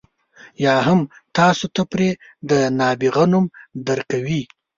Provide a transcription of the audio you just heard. یا هم تاسو ته پرې د نابغه نوم درکوي.